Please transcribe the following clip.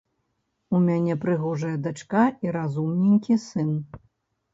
У мяне прыгожая дачка і разумненькі сын.